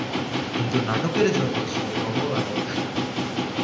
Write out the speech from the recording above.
কিন্তু নাটকের জন্য ছিল প্রবল আকর্ষণ।